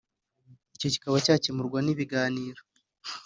icyo kikaba cyakemurwa n’ibiganiro